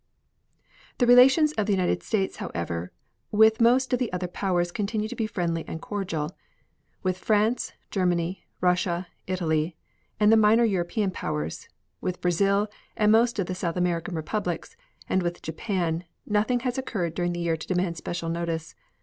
The relations of the United States, however, with most of the other powers continue to be friendly and cordial. With France, Germany, Russia, Italy, and the minor European powers; with Brazil and most of the South American Republics, and with Japan, nothing has occurred during the year to demand special notice.